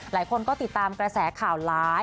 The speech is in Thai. หลายคนก็ติดตามกระแสข่าวร้าย